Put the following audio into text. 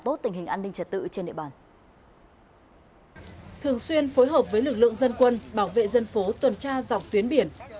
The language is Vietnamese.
thường xuyên phối hợp với lực lượng dân quân bảo vệ dân phố tuần tra dọc tuyến biển